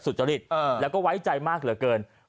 สุจริตเออแล้วก็ไว้ใจมากเหลือเกินสุดท้าย